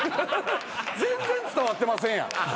全然伝わってませんやん。